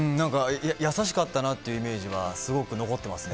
優しかったなというイメージはすごく残ってますね。